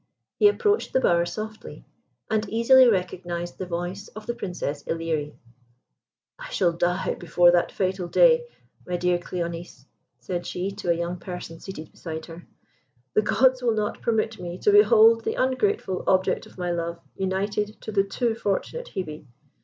He approached the bower softly, and easily recognised the voice of the Princess Ilerie. "I shall die before that fatal day, my dear Cléonice," said she, to a young person seated beside her. "The gods will not permit me to behold the ungrateful object of my love united to the too fortunate Hebe.